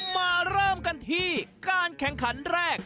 มาเริ่มกันที่การแข่งขันแรก